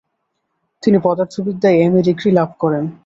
তিনি পদার্থবিদ্যায় MA degree লাভ করেন।